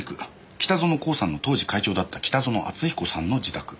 北薗興産の当時会長だった北薗篤彦さんの自宅。